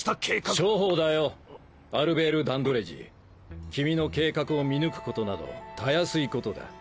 ・初歩だよアルベール・ダンドレジー・君の計画を見抜くことなどたやすいことだ。